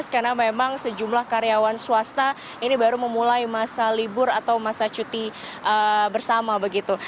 karena memang sejumlah karyawan swasta ini baru memulai masa libur atau masa cuti bersama begitu